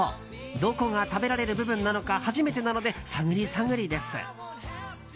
どこが食べられる部分なのか初めてなので探り探りです。